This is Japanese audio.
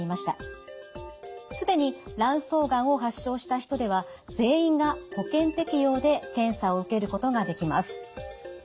既に卵巣がんを発症した人では全員が保険適用で検査を受けることができます。